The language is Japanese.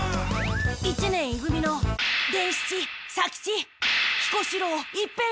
一年い組の伝七左吉彦四郎一平が。